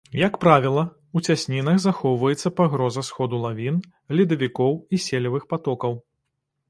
Як правіла, у цяснінах захоўваецца пагроза сходу лавін, ледавікоў і селевых патокаў.